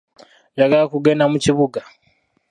Njagala kugenda mu kibuga.